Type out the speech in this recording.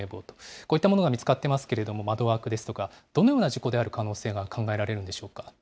こういったものが見つかってますけれども、窓枠ですとか、どのような事故である可能性が考えられるんでしょうか。